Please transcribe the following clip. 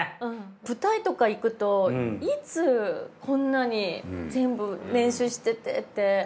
舞台とか行くといつこんなに全部練習しててって。